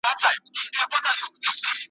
چي پخپله په مشکل کي ګرفتار وي .